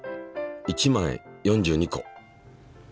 １枚４２個。